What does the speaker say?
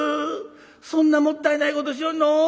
そんなもったいないことしよんの。